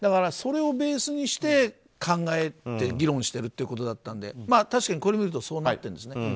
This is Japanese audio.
それをベースにして考えて議論してるということだったので確かにこれを見るとそうなっているんですね。